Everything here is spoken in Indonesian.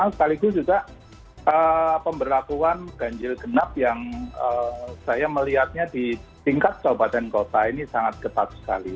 sekaligus juga pemberlakuan ganjil genap yang saya melihatnya di tingkat kabupaten kota ini sangat ketat sekali